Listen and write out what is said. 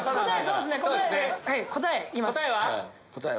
答え言います。